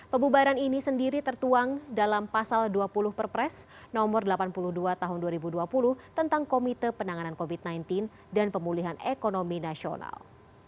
pembubaran ini sendiri tertuang dalam pasal dua puluh perpres nomor delapan puluh dua tahun dua ribu dua puluh tentang komite penanganan covid sembilan belas dan pemulihan ekonomi nasional